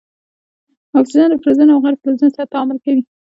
اکسیجن له فلزونو او غیر فلزونو سره تعامل کوي.